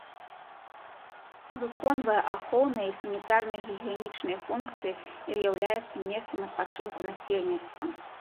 Выконвае ахоўныя і санітарна-гігіенічныя функцыі і з'яўляецца месцам адпачынку насельніцтва.